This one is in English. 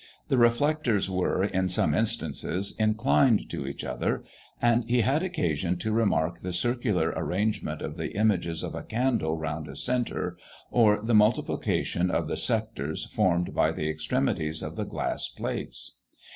The reflectors were, in some instances, inclined to each other; and he had occasion to remark the circular arrangement of the images of a candle round a centre, or the multiplication of the sectors formed by the extremities of the glass plates.